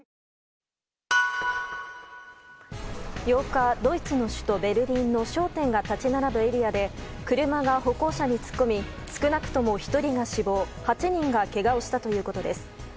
８日、ドイツの首都ベルリンの商店が立ち並ぶエリアで車が歩行者に突っ込み少なくとも１人が死亡８人がけがをしたということです。